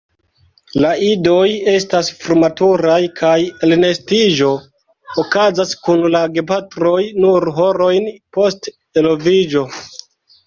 La idoj estas frumaturaj, kaj elnestiĝo okazas kun la gepatroj nur horojn post eloviĝo.